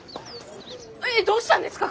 えっどうしたんですか！？